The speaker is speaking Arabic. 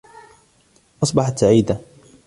أصبحت سعيدة.